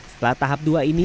setelah tahap dua ini